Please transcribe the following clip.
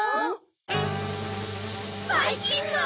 ・ばいきんまん！